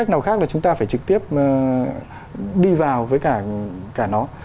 nào khác là chúng ta phải trực tiếp đi vào với cả nó